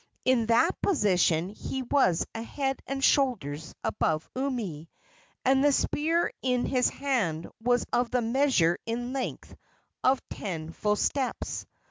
In that position he was a head and shoulders above Umi, and the spear in his hand was of the measure in length of ten full steps.